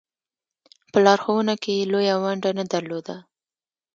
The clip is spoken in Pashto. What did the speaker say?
په لارښوونه کې یې لویه ونډه نه درلوده.